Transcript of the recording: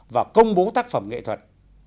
và công bố tác phẩm nghệ thuật